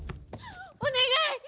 おねがい！